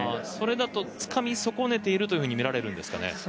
それだとつかみ損ねているとみられるんですかね。